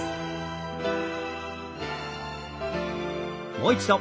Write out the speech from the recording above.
もう一度。